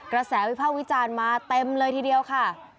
กระแสวิภาควิจารณ์มาเต็มเลยทีเดียวค่ะ